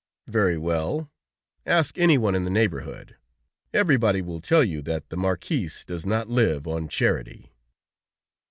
"Very well, ask anyone in the neighborhood. Everybody will tell you that the Marquis does not live on charity."